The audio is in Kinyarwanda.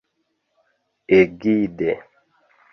Egide